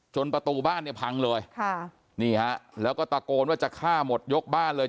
ประตูบ้านเนี่ยพังเลยค่ะนี่ฮะแล้วก็ตะโกนว่าจะฆ่าหมดยกบ้านเลย